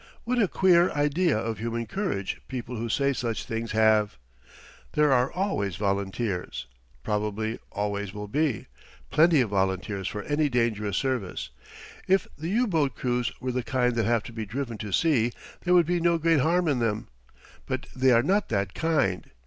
What a queer idea of human courage people who say such things have! There are always volunteers, probably always will be plenty of volunteers for any dangerous service. If the U boat crews were the kind that have to be driven to sea, there would be no great harm in them. But they are not that kind.